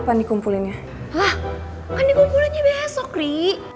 kan dikumpulinnya besok ri